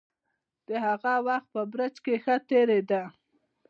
د هغه وخت په برج کې ښه تېرېده.